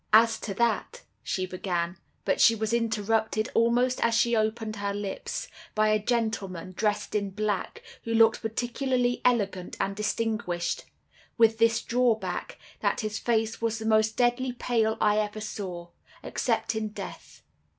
"'As to that,' she began; but she was interrupted, almost as she opened her lips, by a gentleman, dressed in black, who looked particularly elegant and distinguished, with this drawback, that his face was the most deadly pale I ever saw, except in death.